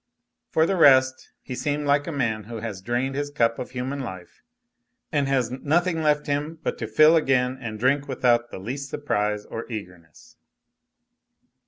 For the rest, he seemed like a man who has drained his cup of human life and has nothing left him but to fill again and drink without the least surprise or eagerness.